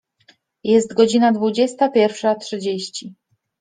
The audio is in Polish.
Jest godzina dwudziesta pierwsza trzydzieści.